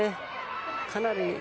かなり。